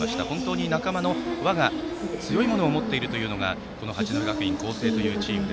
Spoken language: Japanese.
本当に仲間の和が強いものを持っているというのがこの八戸学院光星というチーム。